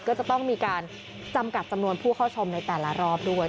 ก็จะต้องมีการจำกัดจำนวนผู้เข้าชมในแต่ละรอบด้วย